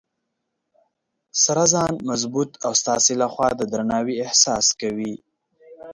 سره ځان محفوظ او ستاسې لخوا د درناوي احساس کوي